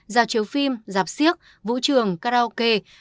giao chiếu phim giạp siếc vũ trường karaoke